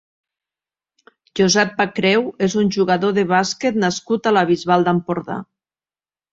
Josep Pacreu és un jugador de bàsquet nascut a la Bisbal d'Empordà.